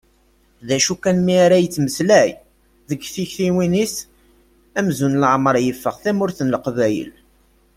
D acu kan mi ara yettmeslay, deg tiktiwin-is amzun leɛmer yeffeɣ tamurt n Leqbayel.